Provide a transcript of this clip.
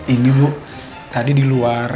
ini bu tadi di luar